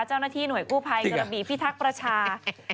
เจ้าหน้าที่หน่วยกู้ภัยกระบี่พิทักษ์ประชา